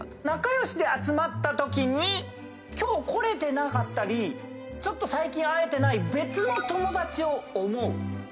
仲良しで集まったときに今日来れてなかったりちょっと最近会えてない別の友達を思う。